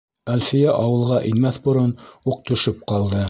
Әлфиә ауылға инмәҫ борон уҡ төшөп ҡалды.